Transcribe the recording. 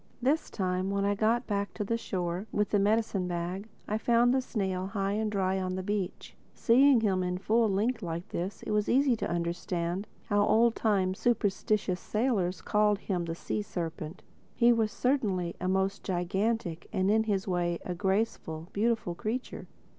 This time when I got back to the shore—with the medicine bag—I found the snail high and dry on the beach. Seeing him in his full length like this, it was easy to understand how old time, superstitious sailors had called him the Sea serpent. He certainly was a most gigantic, and in his way, a graceful, beautiful creature.